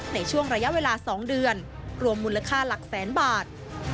ในช่วงระยะเวลา๒เดือนรวมมูลค่าหลักแสนบาท